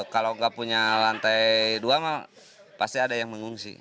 kalau nggak punya lantai dua pasti ada yang mengungsi